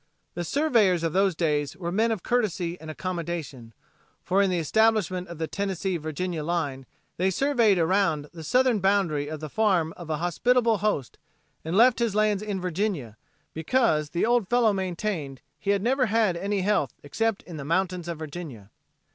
The surveyors of those days were men of courtesy and accommodation, for in the establishment of the Tennessee Virginia line they surveyed around the southern boundary of the farm of a hospitable host and left his lands in Virginia because the old fellow maintained he had never had any health except in the mountains of Virginia.